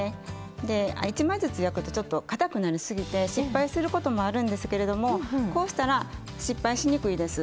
で１枚ずつ焼くとちょっとかたくなりすぎて失敗することもあるんですけれどもこうしたら失敗しにくいです。